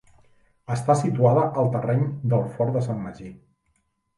Està situada al terreny del Fort de Sant Magí.